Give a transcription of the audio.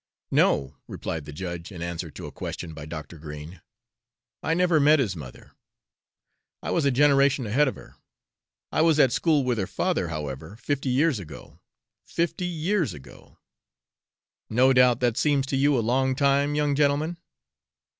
"No," replied the judge, in answer to a question by Dr. Green, "I never met his mother; I was a generation ahead of her. I was at school with her father, however, fifty years ago fifty years ago! No doubt that seems to you a long time, young gentleman?"